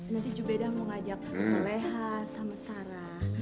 nanti jubeda mau ngajak solehah sama sarah